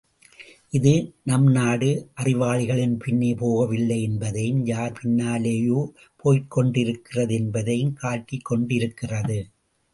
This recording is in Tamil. இது நம்நாடு அறிவாளிகளின் பின்னே போகவில்லை என்பதையும், யார் பின்னாலேயோ போய்க்கொண்டிருக்கிறது என்பதையும் காட்டிக் கொண்டிருக்கிறது.